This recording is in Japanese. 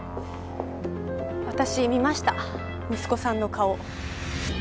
私見ました息子さんの顔。